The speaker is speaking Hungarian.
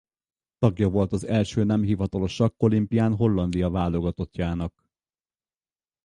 Tagja volt az első nemhivatalos sakkolimpián Hollandia válogatottjának.